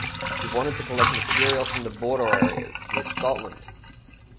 He wanted to collect material from the border areas, near Scotland.